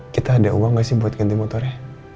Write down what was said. kita ada uang gak sih buat ganti motornya